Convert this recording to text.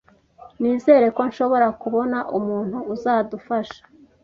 Nizere ko nshobora kubona umuntu uzadufasha